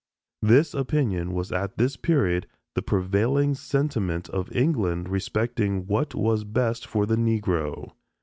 This opinion was at this period the prevailing sentiment of England respecting what was best for the Negro.